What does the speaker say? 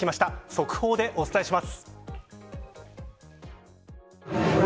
速報でお伝えします。